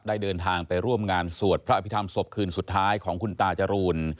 เดินทางไปร่วมงานสวดพระอภิษฐรรมศพคืนสุดท้ายของคุณตาจรูน